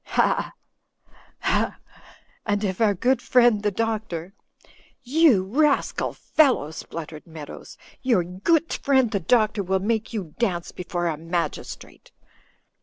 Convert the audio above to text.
Ha ! ha ! And if our good friend, the Doctor —" "You rascal fellow!" spluttered Meadows, "your goot friend the doctor will make you dance before a magistrate."